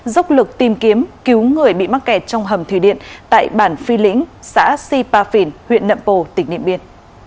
dốc lực tìm kiếm cứu người bị mắc kẹt trong hầm thủy điện tại bản phi lĩnh xã si pa phìn huyện nậm pồ tỉnh điện biên